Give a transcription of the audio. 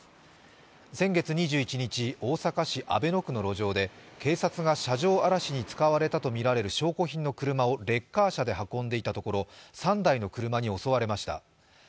先月２１日、大阪市阿倍野区の路上で警察が車上荒らしに使われたとみられる証拠品の車をレッカー車で運んでいたところ３台の車に襲われました。